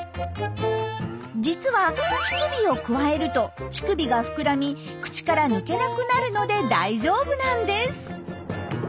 実は乳首をくわえると乳首がふくらみ口から抜けなくなるので大丈夫なんです。